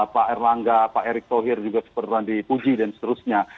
pak erlangga pak erick thohir juga seperti dipuji dan seterusnya